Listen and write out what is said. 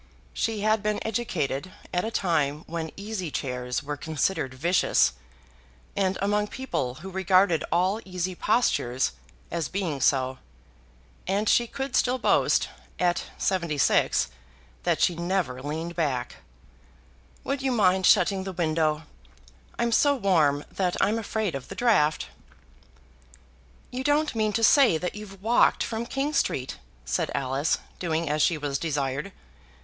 She had been educated at a time when easy chairs were considered vicious, and among people who regarded all easy postures as being so; and she could still boast, at seventy six, that she never leaned back. "Would you mind shutting the window? I'm so warm that I'm afraid of the draught." [Illustration: "Would you mind shutting the window?"] "You don't mean to say that you've walked from King Street," said Alice, doing as she was desired.